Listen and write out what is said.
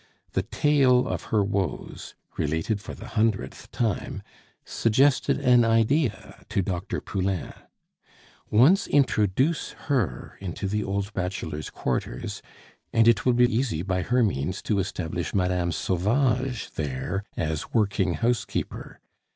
The tale of her woes related for the hundredth time suggested an idea to Dr. Poulain. Once introduce her into the old bachelor's quarters, and it would be easy by her means to establish Mme. Sauvage there as working housekeeper.